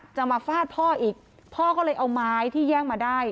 จะมาฟาดพ่ออีกพ่อก็เลยเอาไม้ที่แย่งมาได้